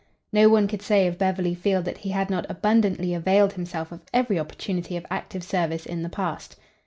No one could say of Beverly Field that he had not abundantly availed himself of every opportunity for active service in the past.